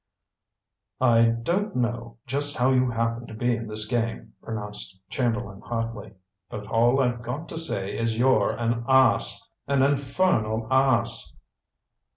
"I don't know just how you happen to be in this game," pronounced Chamberlain hotly, "but all I've got to say is you're an ass an infernal ass."